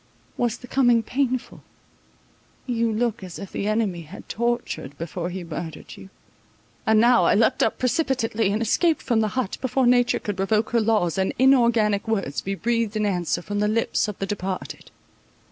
Was the coming painful? You look as if the enemy had tortured, before he murdered you. And now I leapt up precipitately, and escaped from the hut, before nature could revoke her laws, and inorganic words be breathed in answer from the lips of the departed.